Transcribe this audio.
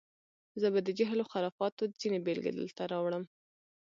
زه به د جهل و خرافاتو ځینې بېلګې دلته راوړم.